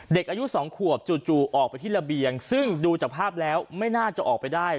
เด็กอายุ๒ขวบจู่ออกไปที่ระเบียงซึ่งดูจากภาพแล้วไม่น่าจะออกไปได้